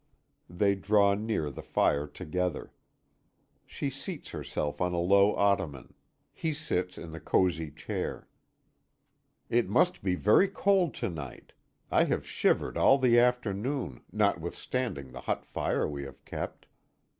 They draw near the fire together. She seats herself on a low ottoman; he sits in the cozy chair. "It must be very cold to night. I have shivered all the afternoon, notwithstanding the hot fire we have kept."